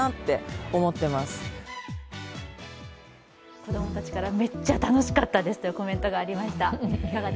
子供たちからめっちゃ楽しかったというコメントがありました。